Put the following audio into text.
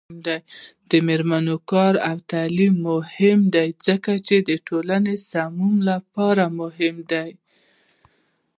د میرمنو کار او تعلیم مهم دی ځکه چې ټولنې سمون لپاره مهم دی.